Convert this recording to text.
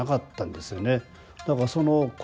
だからその声